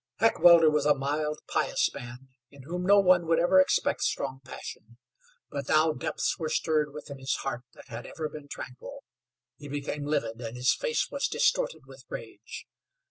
Heckewelder was a mild, pious man, in whom no one would ever expect strong passion; but now depths were stirred within his heart that had ever been tranquil. He became livid, and his face was distorted with rage.